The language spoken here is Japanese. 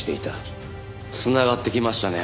繋がってきましたね。